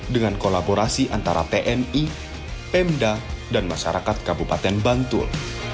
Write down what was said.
dengan kolaborasi antara tni pemda dan masyarakat kabupaten bantul